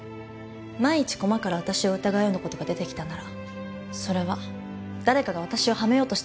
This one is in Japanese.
万一駒から私を疑うような事が出てきたならそれは誰かが私を嵌めようとしてるんだと思います。